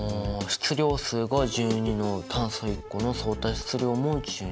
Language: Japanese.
質量数が１２の炭素１個の相対質量も１２。